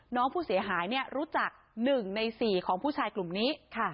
น้องผู้เสียหายรู้จัก๑ใน๔ของผู้ชายกลุ่มนี้